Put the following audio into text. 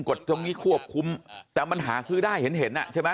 ตรงนี้ควบคุมแต่มันหาซื้อได้เห็นเห็นอ่ะใช่ไหม